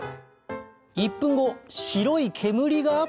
１分後白い煙が！